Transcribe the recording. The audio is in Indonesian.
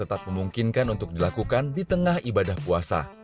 tetap memungkinkan untuk dilakukan di tengah ibadah puasa